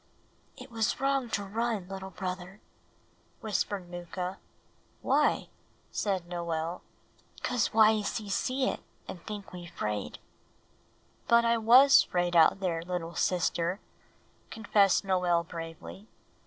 "It was wrong to run, little brother," whispered Mooka. "Why?" said Noel. "Cause Wayeeses see it, and think we 'fraid." "But I was 'fraid out there, little sister," confessed Noel bravely.